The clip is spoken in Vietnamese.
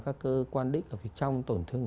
các cơ quan đích ở phía trong tổn thương